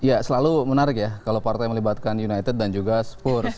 ya selalu menarik ya kalau partai melibatkan united dan juga spur